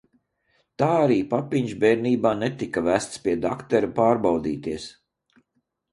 Tā arī papiņš bērnībā netika vests pie daktera pārbaudīties.